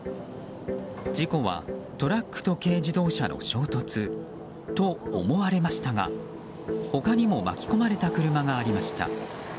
事故はトラックと軽自動車の衝突と思われましたが他にも巻き込まれた車がありました。